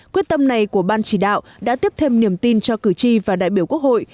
quyết tâm này của ban chỉ đạo đã tiếp thêm niềm tin cho cử tri và đại biểu quốc hội